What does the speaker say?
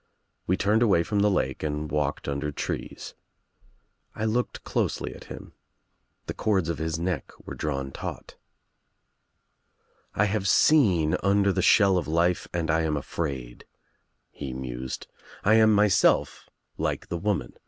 We turned away from the lake and walked riinder trees. I looked closely at him. The cords of lis neck were drawn taut. "I have seen under the 32 THE TRIUMPH OF THE EGG shell of life and I am afraid," he mused. "I am myself like the woman.